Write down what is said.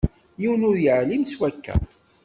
Yiwen ur yeεlim s wakka.